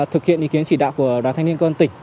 thực hiện ý kiến chỉ đạo của đoàn thanh niên công an tỉnh